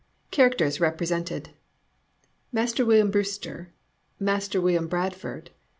CHARACTERS REPRESENTED MASTER WILLIAM BREWSTER. WILLIAM BRADFORD.